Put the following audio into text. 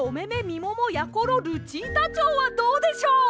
みももやころルチータチョウ」はどうでしょう？